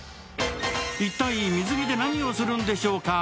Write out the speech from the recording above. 一体、水着で何をするんでしょうか。